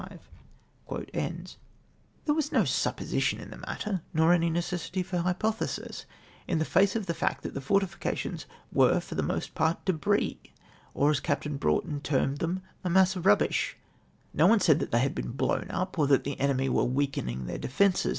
67 There was no " supposition " in the matter, nor any necessity for hypothesis, in face of the fact that the fortifications were for the most part debris, or as Captain Broughton termed them, a mass of " rul/bish" No one said that they had been " blown up,'' or that the enemy were weakenimj their defences